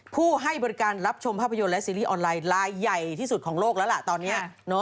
ผู้ให้บริการรับชมภาพยนตร์และซีรีส์ออนไลน์ลายใหญ่ที่สุดของโลกแล้วล่ะตอนนี้